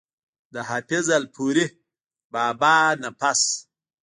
د حافظ الپورۍ بابا نه پس